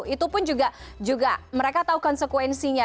itu pun juga mereka tahu konsekuensinya